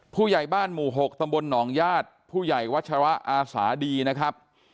ผู้ใหญ่บ้านหมู่๖ตำบลหนองญาติผู้ใหญ่วัชระอาสาดีนะครับ